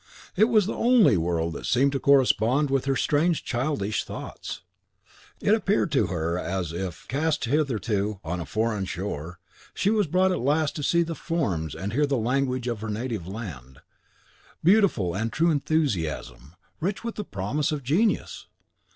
It was the only world that seemed to correspond with her strange childish thoughts. It appeared to her as if, cast hitherto on a foreign shore, she was brought at last to see the forms and hear the language of her native land. Beautiful and true enthusiasm, rich with the promise of genius!